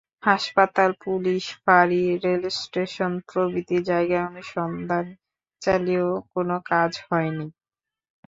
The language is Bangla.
হাসপাতাল, পুলিশ ফাঁড়ি, রেলস্টেশন প্রভৃতি জায়গায় অনুসন্ধান চালিয়েও কোনো কাজ হয়নি।